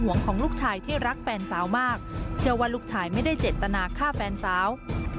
ของลูกชายที่รักแฟนสาวมากเชื่อว่าลูกชายไม่ได้เจตนาฆ่าแฟนสาว